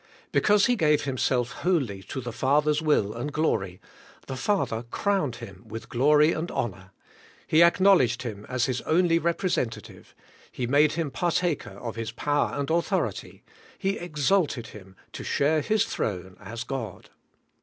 Because He gave Himself wholly to the Father's will and glory, the Father crowned Him with glory and honour. He acknowledged Him as His only representative; He made Him partaker of His power and authority ; He exalted Him to share His throne as God.